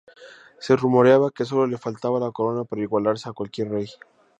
Se rumoreaba que solo le faltaba la corona para igualarse a cualquier rey.